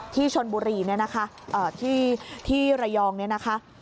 ที่ชนบุรีเนี่ยนะคะที่ระยองเนี่ยนะคะ